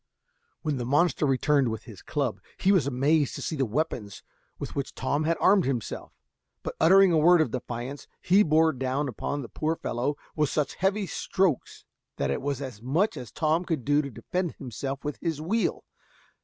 When the monster returned with his club, he was amazed to see the weapons with which Tom had armed himself; but uttering a word of defiance, he bore down upon the poor fellow with such heavy strokes that it was as much as Tom could do to defend himself with his wheel.